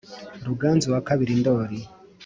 ruganzu ii ndoli